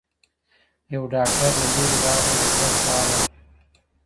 یو ډاکټر له لیری راغی د ده خواله